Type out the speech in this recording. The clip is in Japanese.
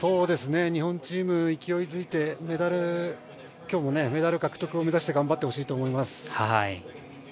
日本チームは勢いづいて今日もメダル獲得を目指して頑張ってほしいと思います。